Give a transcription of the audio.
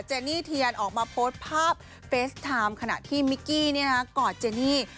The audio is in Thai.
เจนี่เทียนออกมาโพสต์ภาพเฟสตามขณะที่มิกกี้เนี้ยนะฮะกอดเจนี่